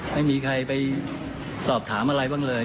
ไม่มีใครไปสอบถามอะไรบ้างเลย